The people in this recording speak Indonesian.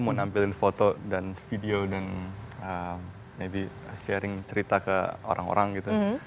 mau nampilin foto dan video dan navy sharing cerita ke orang orang gitu